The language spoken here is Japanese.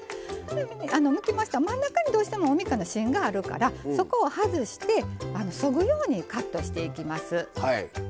むきましたら真ん中にどうしても、おみかんの芯がありますからそこを外してそぐようにカットしていきます。